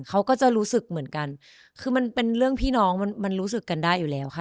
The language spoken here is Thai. เขาก็จะรู้สึกเหมือนกันคือมันเป็นเรื่องพี่น้องมันมันรู้สึกกันได้อยู่แล้วค่ะ